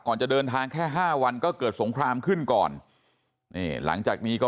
จะเดินทางแค่ห้าวันก็เกิดสงครามขึ้นก่อนนี่หลังจากนี้ก็